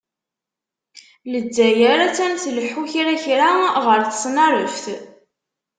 Lezzayer attan tleḥḥu kra kra ɣer tesnareft.